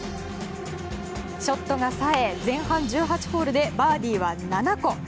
ショットがさえ前半１８ホールでバーディーは７個。